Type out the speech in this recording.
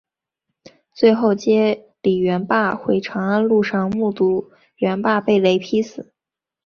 最后接李元霸回长安路上目睹元霸被雷劈死。